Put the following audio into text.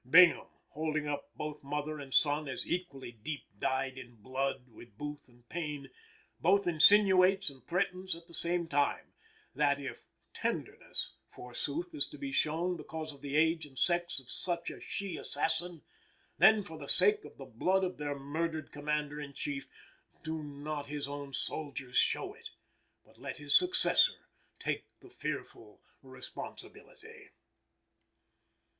Bingham, holding up both mother and son as equally deep dyed in blood with Booth and Payne, both insinuates and threatens at the same time, that, if "tenderness," forsooth, is to be shown because of the age and sex of such a she assassin, then, for the sake of the blood of their murdered Commander in Chief, do not his own soldiers show it, but let his successor take the fearful responsibility.